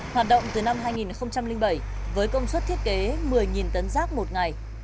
hoạt động từ năm hai nghìn bảy với công suất thiết kế một mươi tấn rác một ngày